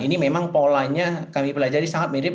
ini memang polanya kami pelajari sangat mirip